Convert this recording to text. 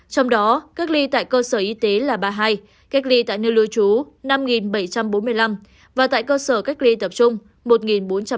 trong đó cách ly tại cơ sở y tế là ba mươi hai cách ly tại nơi lưu trú năm bảy trăm bốn mươi năm và tại cơ sở cách ly tập trung một bốn trăm tám mươi người